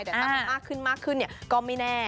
แต่ถ้ามักขึ้นก็ไม่แน่